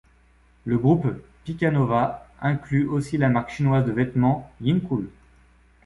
Le groupe Picanova inclut aussi la marque chinoise de vêtements Yincool.